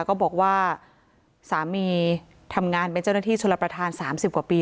ก็บอกว่าสามีทำงานเป็นเจ้าหน้าที่ชลประธาน๓๐กว่าปี